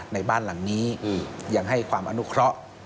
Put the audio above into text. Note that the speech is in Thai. ในบ้านหลังนี้ยังให้ความอนุเคราะห์